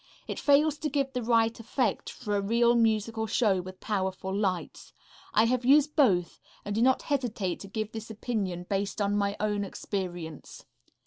It fails to give the right effect for a real musical show with powerful lights. I have used both and do not hesitate to give this opinion based on my own experience.